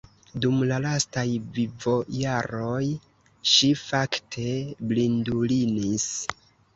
Dum la lastaj vivojaroj ŝi fakte blindulinis.